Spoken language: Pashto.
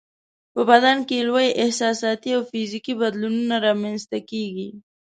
په بدن کې یې لوی احساساتي او فزیکي بدلونونه رامنځته کیږي.